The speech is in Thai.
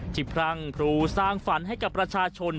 พรั่งพรูสร้างฝันให้กับประชาชน